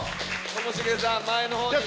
ともしげさん前の方に。